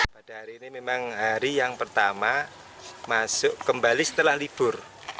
pada hari ini memang hari yang pertama masuk kembali setelah libur